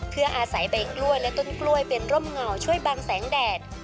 เพื่ออาศัยใบกล้วยและต้นกล้วยเป็นร่มเหงาช่วยบางแสงแดด